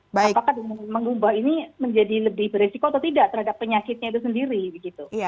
apakah dengan mengubah ini menjadi lebih beresiko atau tidak terhadap penyakitnya itu sendiri begitu